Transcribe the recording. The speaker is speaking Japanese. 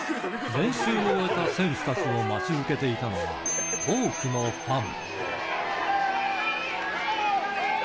練習を終えた選手たちを待ち受けていたのは、多くのファン。